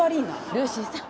ルーシーさん！